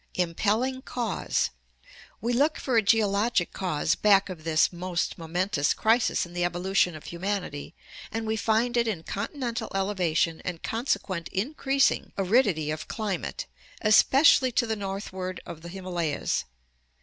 Impelling Cause. — We look for a geologic cause back of this most momentous crisis in the evolution of humanity, and we find it in continental elevation and consequent increasing aridity of climate, especially to the northward of the Himalayas.